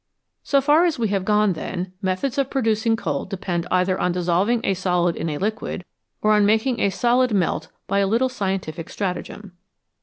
So far as we have gone, then, methods of producing cold depend either on dissolving a solid in a liquid, or on making a solid melt by a little scientific stratagem.